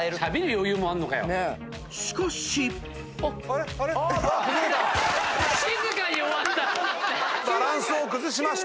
［しかし］バランスを崩しました。